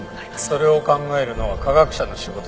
それを考えるのは科学者の仕事じゃない。